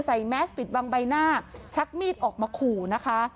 แมสปิดบังใบหน้าชักมีดออกมาขู่นะคะ